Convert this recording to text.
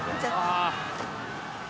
ああ。